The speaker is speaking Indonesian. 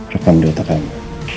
rekam di otak kamu